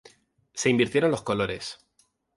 Se invirtieron los colores.